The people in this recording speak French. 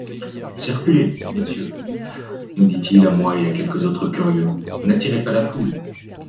Circulez, Messieurs, nous dit-il à moi et à quelques autres curieux ; n'attirez pas la foule.